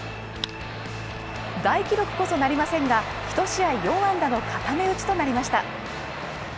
大記録こそなりませんが、１試合４安打の固め打ちとなりました。